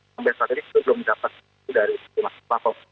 sampai saat ini kita belum dapat dari platform